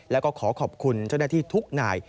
แล้วก็ขอขอบคุณเจ้าหน้าที่ทุกนาย